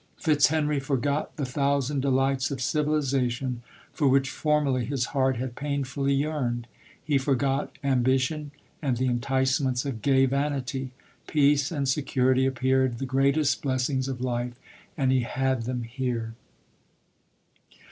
Fitzhenry forgot the thousand delights of civilization, for which formerly his heart had painfully yearned. He forgot ambition, and the enticements of gaj vanity ; peace and security appeared the greatest blessings of life, and he had them here.